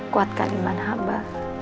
kuatkan iman amba